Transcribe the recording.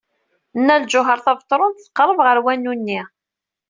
Nna Lǧuheṛ Tabetṛunt tqerreb ɣer wanu-nni.